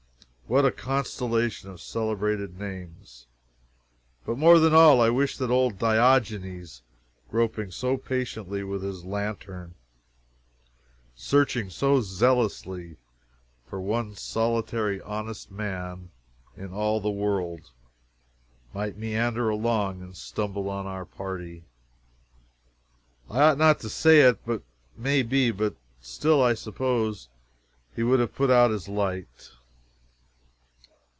What a constellation of celebrated names! But more than all, I wished that old Diogenes, groping so patiently with his lantern, searching so zealously for one solitary honest man in all the world, might meander along and stumble on our party. I ought not to say it, may be, but still I suppose he would have put out his light.